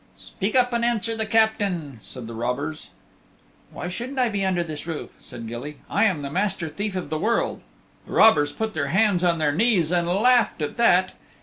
"Speak up and answer the Captain," said the robbers. "Why shouldn't I be under this roof?" said Gilly. "I am the Master Thief of the World." The robbers put their hands on their knees and laughed at that.